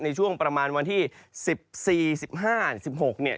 ในช่วงประมาณวันที่๑๔๑๕๑๖เนี่ย